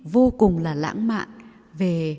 vô cùng là lãng mạn